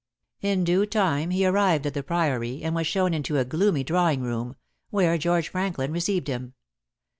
In due time he arrived at the Priory and was shown into a gloomy drawing room, where George Franklin received him.